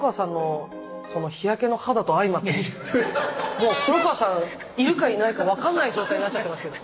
もう黒川さんいるかいないか分かんない状態になっちゃってますけど。